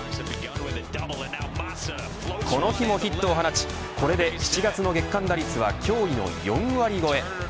この日もヒットを放ちこれで７月の月間打率は驚異の４割超え。